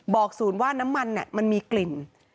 บอกศูนย์ว่าน้ำมันมีกลิ่น